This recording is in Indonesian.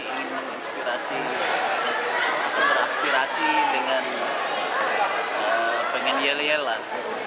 ini menginspirasi dengan pengen yel yelan